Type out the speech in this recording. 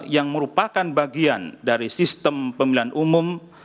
yang merupakan bagian dari sistem pemilihan umum